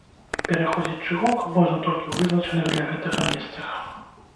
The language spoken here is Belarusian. Пераходзіць чыгунку можна толькі ў вызначаных для гэтага месцах.